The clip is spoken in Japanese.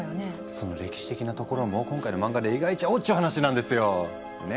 その歴史的なところも今回の漫画で描いちゃおうっちゅう話なんですよ。ね？